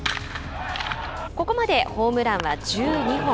ここまでホームランは１２本。